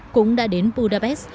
cũng đã đến budapest